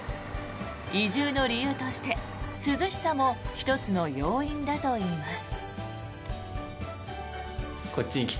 移住の理由として、涼しさも１つの要因だといいます。